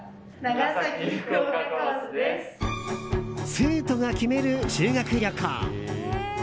生徒が決める修学旅行。